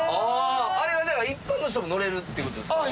あれはだから一般の人も乗れるって事ですか？